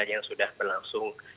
yang sudah berlangsung